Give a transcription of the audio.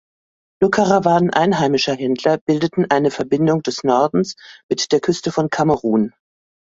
Nur Karawanen einheimischer Händler bildeten eine Verbindung des Nordens mit der Küste von Kamerun.